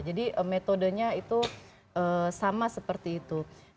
jadi metodenya itu sama seperti itu